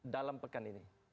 dalam pekan ini